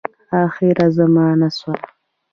آخره زمانه سوه .